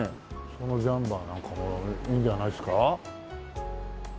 そのジャンパーなんかもいいんじゃないですか？